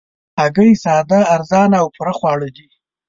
هګۍ ساده، ارزانه او پوره خواړه دي